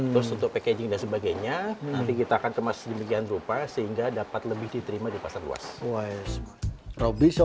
terus untuk packaging dan sebagainya nanti kita akan kemas sedemikian rupa sehingga dapat lebih diterima di pasar luas